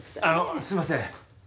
あのすみません。